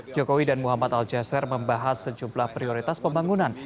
jokowi dan muhammad al jazzer membahas sejumlah prioritas pembangunan